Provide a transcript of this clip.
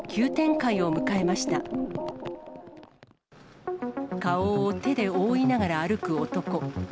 顔を手で覆いながら歩く男。